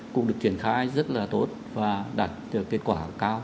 cũng được triển khai rất là tốt và đạt được kết quả cao